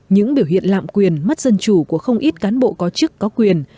những biểu hiện lạm quyền mất dân chủ của không ít cán bộ có chức có quyền